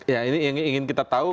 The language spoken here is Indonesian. ya ini yang ingin kita tahu